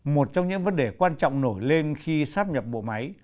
một trong những vấn đề quan trọng nổi lên khi sắp nhập bộ máy